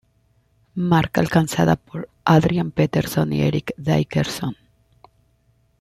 Marca alcanzada por Adrian Peterson y Eric Dickerson.